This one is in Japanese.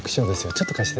ちょっと貸して。